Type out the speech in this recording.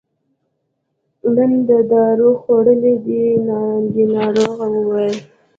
نن دې دارو خوړلي دي ناروغ وویل.